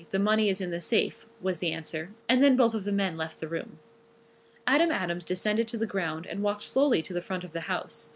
The money is in the safe," was the answer, and then both of the men left the room. Adam Adams descended to the ground and walked slowly to the front of the house.